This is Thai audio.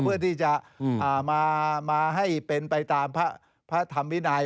เพื่อที่จะมาให้เป็นไปตามพระธรรมวินัย